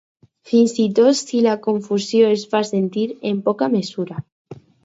Fins i tot si la confusió es fa sentir en poca mesura.